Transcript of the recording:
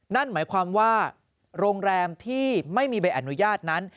นั่นหมายความว่าโรงแรมที่ไม่มีใบอนุญาตนั้น